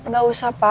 gak usah pak